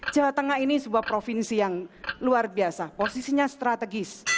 jawa tengah ini sebuah provinsi yang luar biasa posisinya strategis